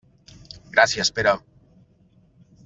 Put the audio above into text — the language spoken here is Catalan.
Gràcies, Pere.